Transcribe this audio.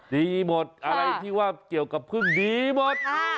ดีหมดอะไรที่ว่าเกี่ยวกับพึ่งดีหมด